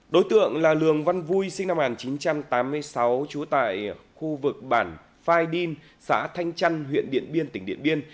đối tượng là lường văn vui sinh năm một nghìn chín trăm tám mươi sáu trú tại khu vực bản phai điên xã thanh trăn huyện điện biên tỉnh điện biên